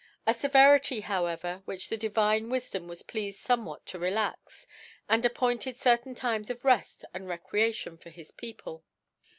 A Severity, however, which the Divine Wifdom was pleafed fomewhat to relax ; and appointed certain Times of Reft and Recreation for his People.